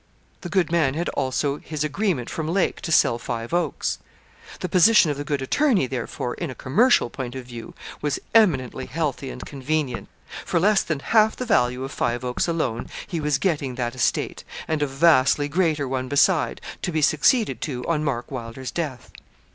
The good man had also his agreement from Lake to sell Five Oaks. The position of the good attorney, therefore, in a commercial point of view, was eminently healthy and convenient. For less than half the value of Five Oaks alone, he was getting that estate, and a vastly greater one beside, to be succeeded to on Mark Wylder's death.